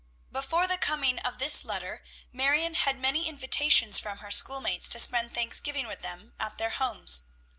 Before the coming of this letter, Marion had many invitations from her schoolmates to spend Thanksgiving with them at their homes.